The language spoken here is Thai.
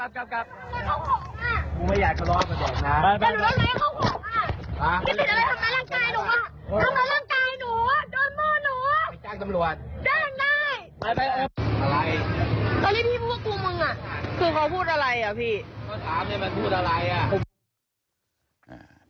กลับ